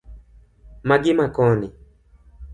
Magi ma koni